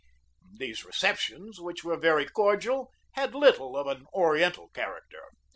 These receptions, which were very cordial, had little of an oriental character.